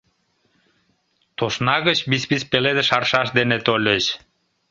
Тосна гыч висвис пеледыш аршаш дене тольыч.